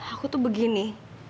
aku tuh begini